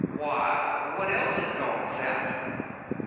"Why, what else is gone, Sally?"